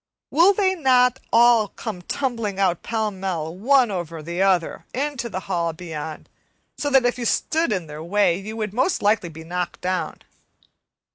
Will they not all come tumbling out pell mell, one over the other, into the hall beyond, so that if you stood in their way you would most likely be knocked down?